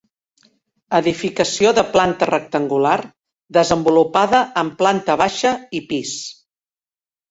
Edificació de planta rectangular, desenvolupada en planta baixa i pis.